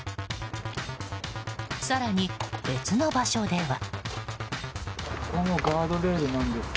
更に、別の場所では。